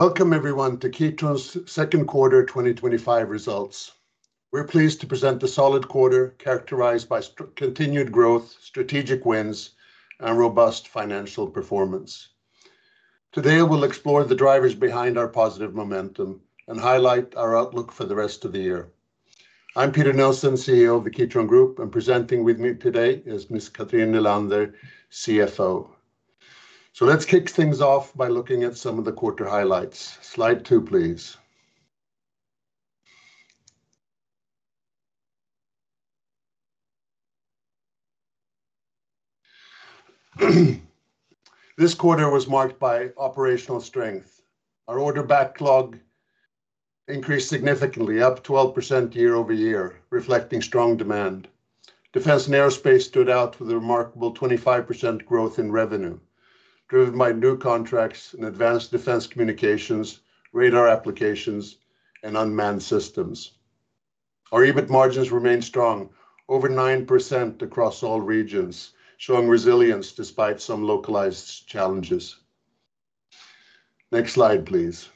Welcome everyone to Kitron's Second Quarter 2025 results. We're pleased to present the solid quarter characterized by continued growth, strategic wins, and robust financial performance. Today, we'll explore the drivers behind our positive momentum and highlight our outlook for the rest of the year. I'm Peter Nilsson, CEO of the Kitron Group, and presenting with me today is Ms. Cathrin Nylander, CFO. Let's kick things off by looking at some of the quarter highlights. Slide two, please. This quarter was marked by operational strength. Our order backlog increased significantly, up 12% year-over-year, reflecting strong demand. Defense and aerospace stood out with a remarkable 25% growth in revenue, driven by new contracts in advanced defense communications, radar applications, and unmanned systems. Our EBIT margins remained strong, over 9% across all regions, showing resilience despite some localized challenges. Next slide, please.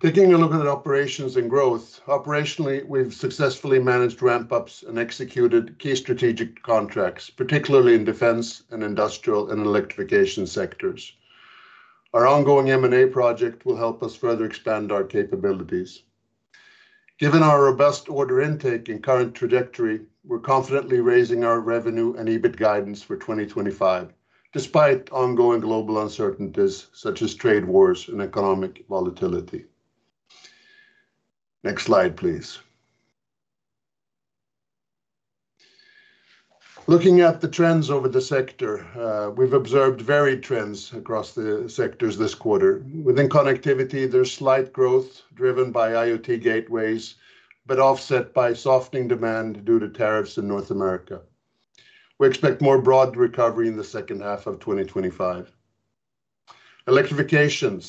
Taking a look at operations and growth, operationally, we've successfully managed ramp-ups and executed key strategic contracts, particularly in defense and industrial and electrification sectors. Our ongoing M&A project will help us further expand our capabilities. Given our robust order intake and current trajectory, we're confidently raising our revenue and EBIT guidance for 2025, despite ongoing global uncertainties such as trade wars and economic volatility. Next slide, please. Looking at the trends over the sector, we've observed varied trends across the sectors this quarter. Within connectivity, there's slight growth driven by IoT gateways, but offset by softening demand due to tariffs in North America. We expect more broad recovery in the second half of 2025. Electrification: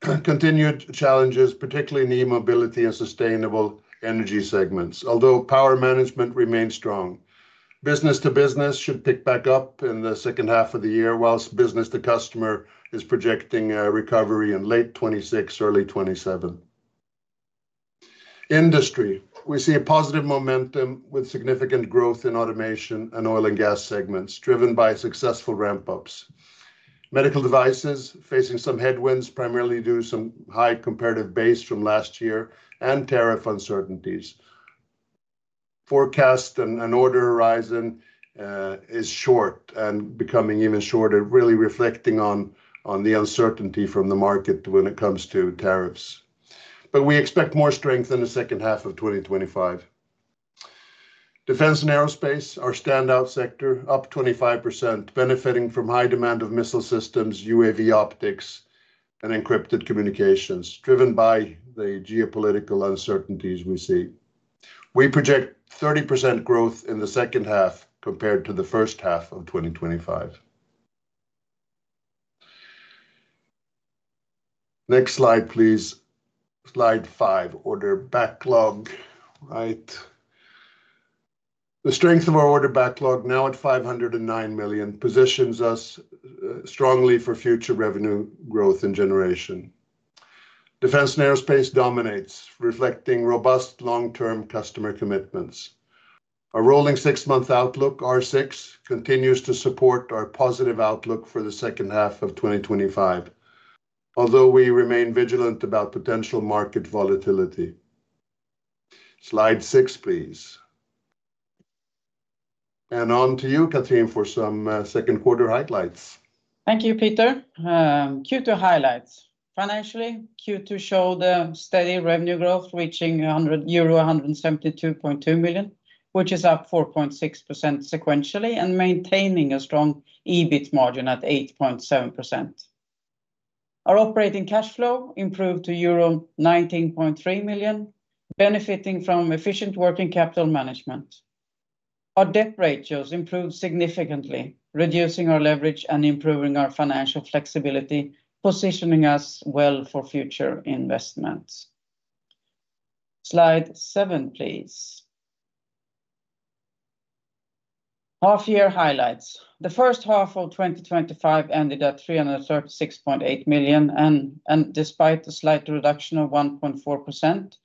continued challenges, particularly in e-mobility and sustainable energy segments, although power management remains strong. Business-to-business should pick back up in the second half of the year, whilst business-to-customer is projecting a recovery in late 2026, early 2027. Industry: we see a positive momentum with significant growth in automation and oil and gas segments, driven by successful ramp-ups. Medical devices are facing some headwinds, primarily due to some high comparative base from last year and tariff uncertainties. Forecast and order horizon is short and becoming even shorter, really reflecting on the uncertainty from the market when it comes to tariffs. We expect more strength in the second half of 2025. Defense and aerospace are a standout sector, up 25%, benefiting from high demand of missile systems, UAV optics, and encrypted communications, driven by the geopolitical uncertainties we see. We project 30% growth in the second half compared to the first half of 2025. Next slide, please. Slide five, order backlog. The strength of our order backlog, now at 509 million, positions us strongly for future revenue growth and generation. Defense and aerospace dominates, reflecting robust long-term customer commitments. Our rolling six-month outlook, R6, continues to support our positive outlook for the second half of 2025, although we remain vigilant about potential market volatility. Slide six, please. On to you, Cathrin, for some second quarter highlights. Thank you, Peter. Q2 highlights: financially, Q2 showed a steady revenue growth reaching euro 172.2 million, which is up 4.6% sequentially and maintaining a strong EBIT margin at 8.7%. Our operating cash flow improved to euro 19.3 million, benefiting from efficient working capital management. Our debt ratios improved significantly, reducing our leverage and improving our financial flexibility, positioning us well for future investments. Slide seven, please. Half-year highlights: the first half of 2024 ended at 336.8 million, and despite a slight reduction of 1.4%,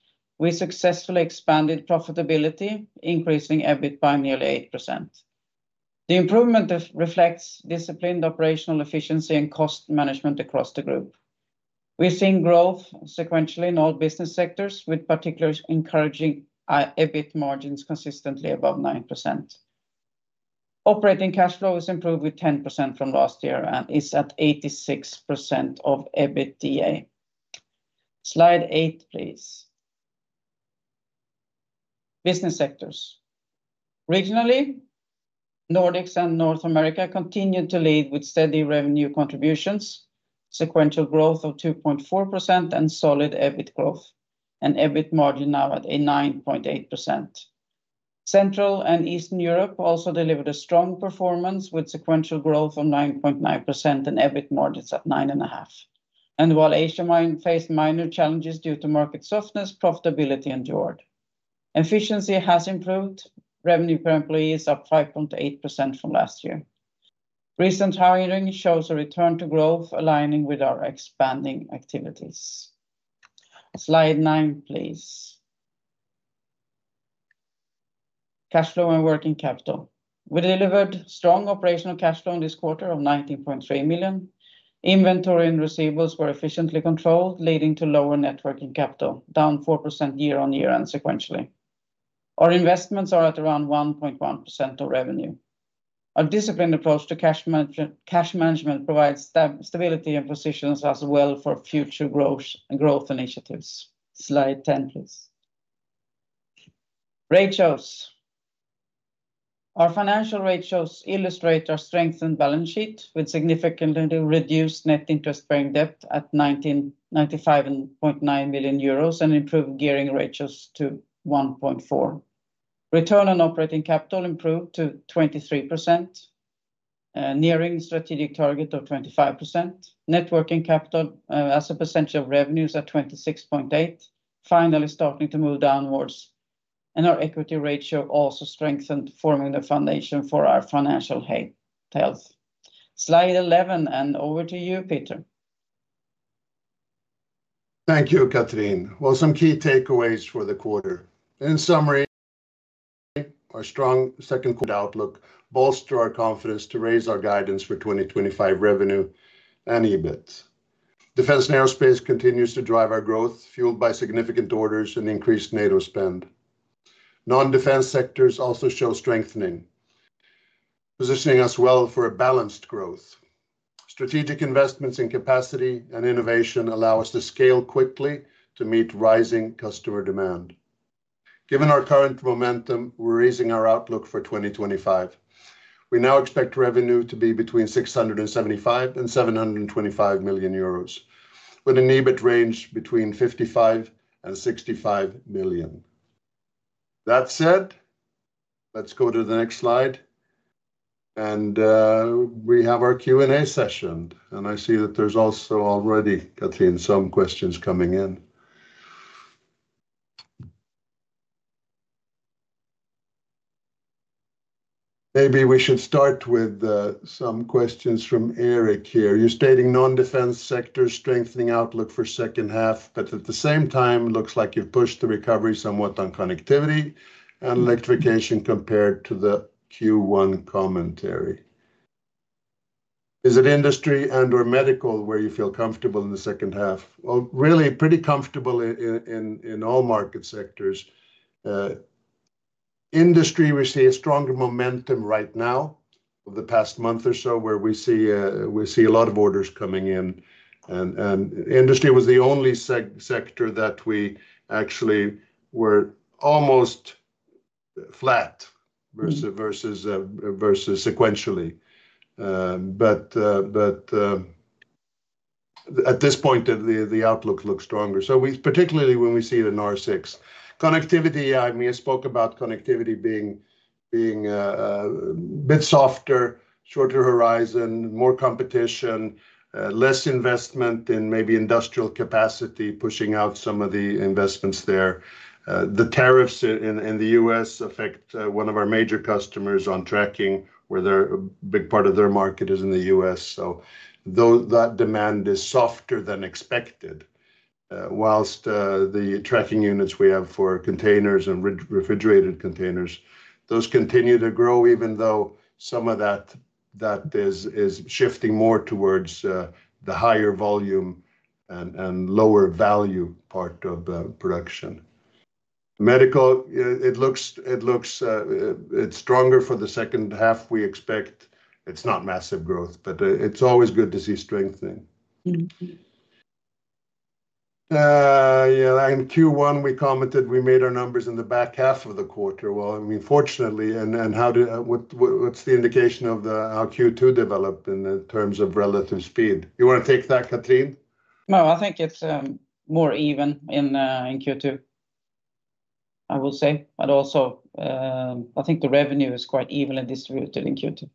we successfully expanded profitability, increasing EBIT by nearly 8%. The improvement reflects disciplined operational efficiency and cost management across the group. We're seeing growth sequentially in all business sectors, with particularly encouraging EBIT margins consistently above 9%. Operating cash flow has improved with 10% from last year and is at 86% of EBITDA. Slide eight, please. Business sectors: regionally, the Nordics and North America continue to lead with steady revenue contributions, sequential growth of 2.4%, and solid EBIT growth, and EBIT margin now at 9.8%. Central and Eastern Europe also delivered a strong performance with sequential growth of 9.9% and EBIT margins at 9.5%. While Asia faced minor challenges due to market softness, profitability endured. Efficiency has improved; revenue per employee is up 5.8% from last year. Recent hiring shows a return to growth, aligning with our expanding activities. Slide nine, please. Cash flow and working capital: we delivered strong operational cash flow in this quarter of 19.3 million. Inventory and receivables were efficiently controlled, leading to lower net working capital, down 4% year on year and sequentially. Our investments are at around 1.1% of revenue. Our disciplined approach to cash management provides stability and positions us well for future growth initiatives. Slide 10, please. Ratios: our financial ratios illustrate our strengthened balance sheet with significantly reduced net interest-bearing debt at 95.9 million euros and improved gearing ratios to 1.4. Return on operating capital improved to 23%, nearing the strategic target of 25%. Net working capital as a percentage of revenue is at 26.8%, finally starting to move downwards. Our equity ratio also strengthened, forming the foundation for our financial health. Slide 11, and over to you, Peter. Thank you, Cathrin. Some key takeaways for the quarter. In summary, our strong second quarter outlook bolstered our confidence to raise our guidance for 2025 revenue and EBIT. Defense and aerospace continues to drive our growth, fueled by significant orders and increased NATO spend. Non-defense sectors also show strengthening, positioning us well for balanced growth. Strategic investments in capacity and innovation allow us to scale quickly to meet rising customer demand. Given our current momentum, we're raising our outlook for 2025. We now expect revenue to be between 675 million and 725 million euros, with an EBIT range between 55 million and 65 million. That said, let's go to the next slide. We have our Q&A session, and I see that there's also already, Cathrin, some questions coming in. Maybe we should start with some questions from Eric here. You're stating non-defense sector strengthening outlook for the second half, but at the same time, it looks like you've pushed the recovery somewhat on connectivity and electrification compared to the Q1 commentary. Is it industry and/or medical where you feel comfortable in the second half? Really pretty comfortable in all market sectors. Industry, we see a strong momentum right now over the past month or so, where we see a lot of orders coming in. Industry was the only sector that we actually were almost flat versus sequentially. At this point, the outlook looks stronger, particularly when we see it in R6. Connectivity, I spoke about connectivity being a bit softer, shorter horizon, more competition, less investment in maybe industrial capacity, pushing out some of the investments there. The tariffs in the U.S. affect one of our major customers on tracking, where a big part of their market is in the U.S. That demand is softer than expected, whilst the tracking units we have for containers and refrigerated containers continue to grow, even though some of that is shifting more towards the higher volume and lower value part of production. Medical, it looks stronger for the second half, we expect. It's not massive growth, but it's always good to see strengthening. In Q1, we commented we made our numbers in the back half of the quarter. Fortunately, and what's the indication of how Q2 developed in terms of relative speed? You want to take that, Cathrin? No, I think it's more even in Q2, I will say. I think the revenue is quite evenly distributed in Q2.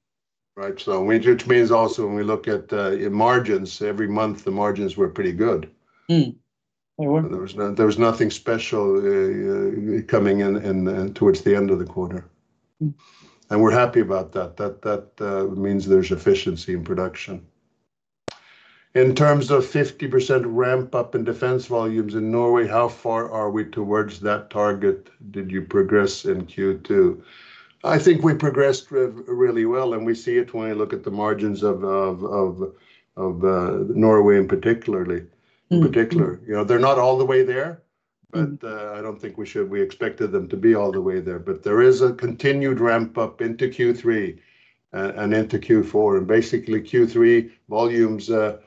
Right, which means also when we look at margins, every month the margins were pretty good. They were. There was nothing special coming in towards the end of the quarter, and we're happy about that. That means there's efficiency in production. In terms of 50% ramp-up in defense volumes in Norway, how far are we towards that target? Did you progress in Q2? I think we progressed really well, and we see it when we look at the margins of Norway in particular. They're not all the way there, but I don't think we should. We expected them to be all the way there. There is a continued ramp-up into Q3 and into Q4. Basically, Q3 volumes are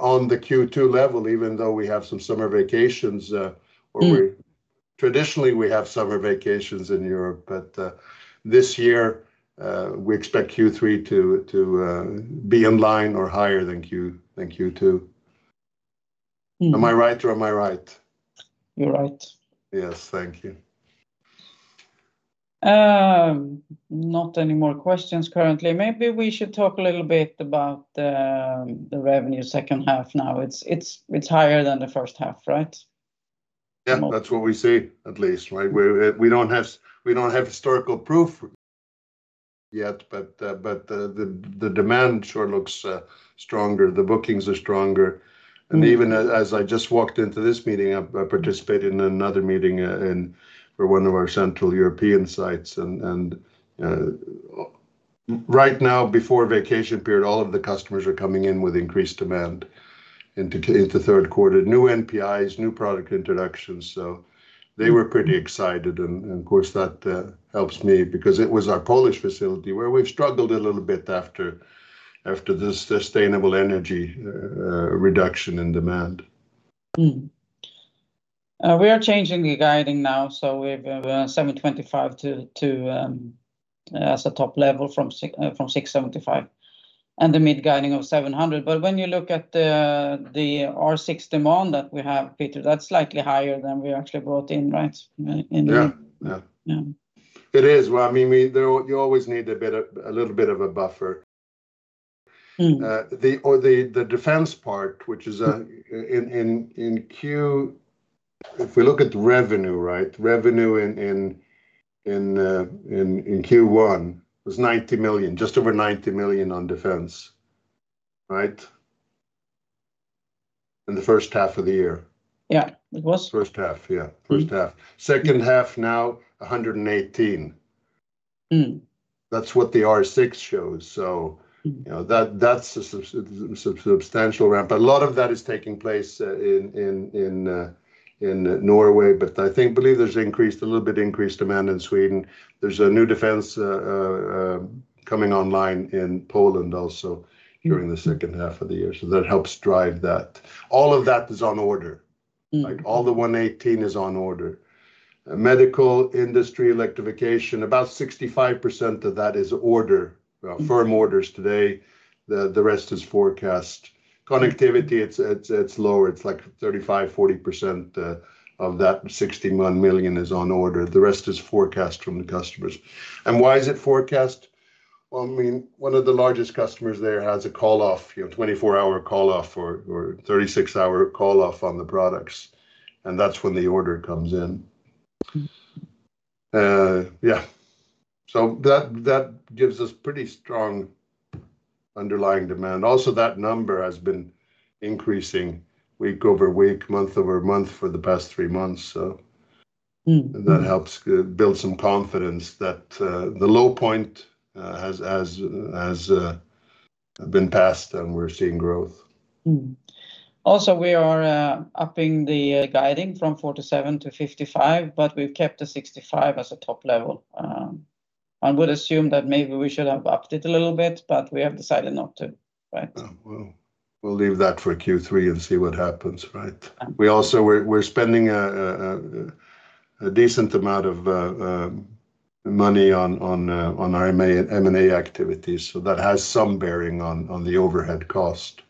on the Q2 level, even though we have some summer vacations. Traditionally, we have summer vacations in Europe. This year, we expect Q3 to be in line or higher than Q2. Am I right or am I right? You're right. Yes, thank you. Not any more questions currently. Maybe we should talk a little bit about the revenue second half now. It's higher than the first half, right? Yeah, that's what we see, at least. We don't have historical proof yet, but the demand sure looks stronger. The bookings are stronger. Even as I just walked into this meeting, I participated in another meeting for one of our Central European sites. Right now, before the vacation period, all of the customers are coming in with increased demand into the third quarter. New NPIs, new product introductions. They were pretty excited. Of course, that helps me because it was our Polish facility where we've struggled a little bit after the sustainable energy reduction in demand. We are changing the guiding now. We've 725 million as a top level from 675 million, and the mid-guiding of 700 million. When you look at the R6 demand that we have, Peter, that's slightly higher than we actually brought in, right? Yeah, it is. I mean, you always need a little bit of a buffer. The defense part, which is in Q, if we look at revenue, right, revenue in Q1 was 90 million, just over 90 million on defense, right? In the first half of the year. Yeah, it was. First half, yeah. First half. Second half now, 118. That's what the R6 shows. You know that's a substantial ramp. A lot of that is taking place in Norway, but I think there's a little bit of increased demand in Sweden. There's a new defense coming online in Poland also during the second half of the year. That helps drive that. All of that is on order. Like all the 118 is on order. Medical, industry, electrification, about 65% of that is order, firm orders today. The rest is forecast. Connectivity, it's lower. It's like 35%, 40% of that 60 million is on order. The rest is forecast from the customers. Why is it forecast? I mean, one of the largest customers there has a call-off, you know, 24-hour call-off or 36-hour call-off on the products. That's when the order comes in. Yeah. That gives us pretty strong underlying demand. Also, that number has been increasing week over week, month over month for the past three months. That helps build some confidence that the low point has been passed and we're seeing growth. Also, we are upping the guiding from 47 million - 55 million, but we've kept the 65 million as a top level. I would assume that maybe we should have upped it a little bit, but we have decided not to. We'll leave that for Q3 and see what happens, right? We're spending a decent amount of money on our M&A activities. That has some bearing on the overhead cost.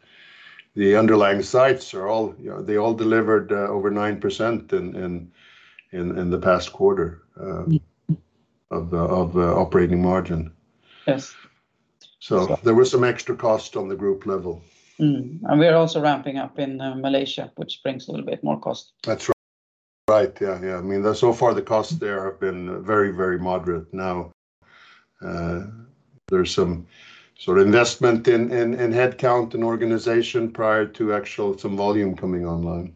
The underlying sites are all, they all delivered over 9% in the past quarter of the operating margin. Yes. There was some extra cost on the group level. We are also ramping up in Malaysia, which brings a little bit more cost. That's right. I mean, so far the costs there have been very, very moderate. Now, there's some sort of investment in headcount and organization prior to actual volume coming online.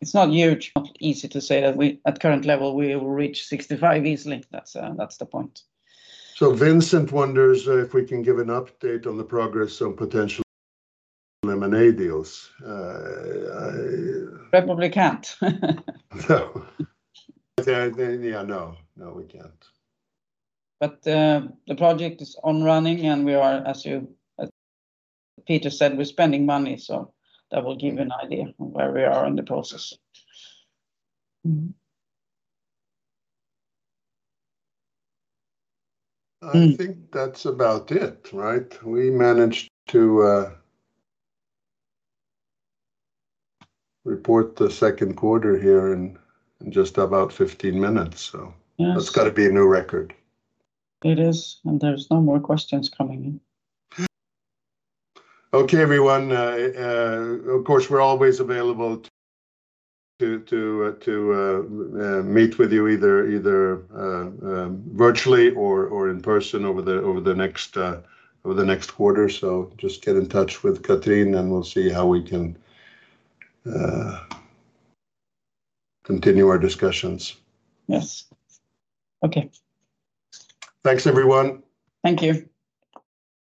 It's not huge. Not easy to say that at the current level we will reach 65 easily. That's the point. Vincent wonders if we can give an update on the progress on potential M&A activities. Probably can't. I think we can't. The project is running and, as Peter said, we're spending money. That will give you an idea of where we are in the process. I think that's about it, right? We managed to report the second quarter here in just about 15 minutes. That's got to be a new record. It is. There are no more questions coming in. Okay, everyone. Of course, we're always available to meet with you either virtually or in person over the next quarter. Just get in touch with Cathrin and we'll see how we can continue our discussions. Yes. Okay. Thanks, everyone. Thank you.